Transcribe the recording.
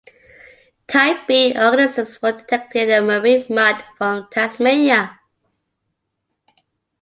Type-B organisms were detected in marine mud from Tasmania.